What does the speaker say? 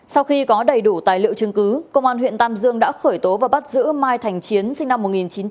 sau khi có đầy đủ tài liệu chứng cứ công an huyện tam dương đã khởi tố và bắt giữ mai thành chiến sinh năm một nghìn chín trăm tám mươi